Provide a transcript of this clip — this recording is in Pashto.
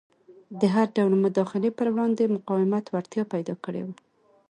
د هر ډول مداخلې پر وړاندې مقاومت وړتیا پیدا کړې وه.